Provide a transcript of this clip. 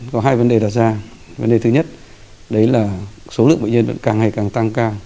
có hai vấn đề đặt ra vấn đề thứ nhất đấy là số lượng bệnh nhân vẫn càng ngày càng tăng cao